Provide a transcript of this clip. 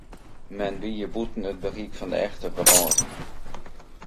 Men wie hjir bûten it berik fan de echte wrâld.